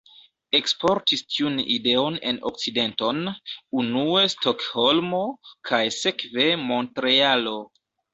Eksportis tiun ideon en Okcidenton, unue Stokholmo, kaj sekve Montrealo.